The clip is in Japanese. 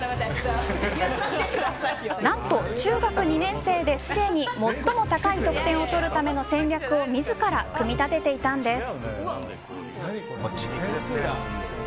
何と、中学２年生ですでに最も高い得点を取るための戦略を自ら組み立てていたんです。